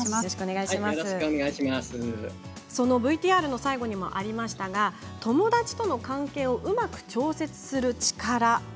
ＶＴＲの最後にもありましたが友達との関係をうまく調節する力。